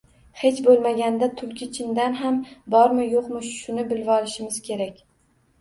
Hech bo‘lmaganda, tulki chindan ham bormi- yo‘qmi, shuni bilvolishimiz kerak